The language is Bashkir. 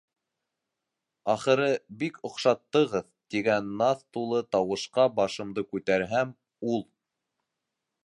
«Ахыры, бик оҡшаттығыҙ...» тигән наҙ тулы тауышҡа башымды күтәрһәм - ул!